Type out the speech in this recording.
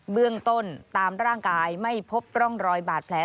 เบื้องต้นตามร่างกายไม่พบร่องรอยบาดแผล